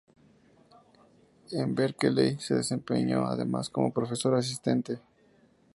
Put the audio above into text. En Berkeley se desempeñó además como profesor asistente.